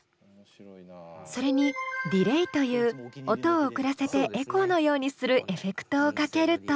それにディレイという音を遅らせてエコーのようにするエフェクトをかけると。